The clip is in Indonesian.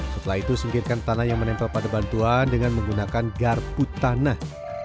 setelah itu singkirkan tanah yang menempel pada bantuan dengan menggunakan garpu tanah